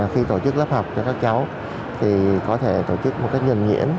khi tổ chức lớp học cho các cháu thì có thể tổ chức một cách nhận nhiễn